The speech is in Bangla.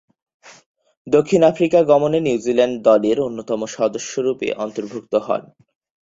দক্ষিণ আফ্রিকা গমনে নিউজিল্যান্ড দলের অন্যতম সদস্যরূপে অন্তর্ভুক্ত হন।